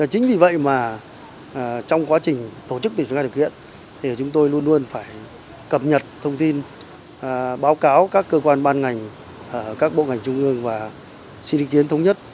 chính vì vậy mà trong quá trình tổ chức tỉnh trung an điều kiện thì chúng tôi luôn luôn phải cập nhật thông tin báo cáo các cơ quan ban ngành các bộ ngành trung ương và xin ý kiến thống nhất